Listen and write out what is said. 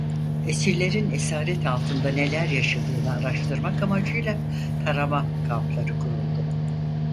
Esirlerin esaret altında neler yaşadığını araştırmak amacıyla tarama kampları kuruldu.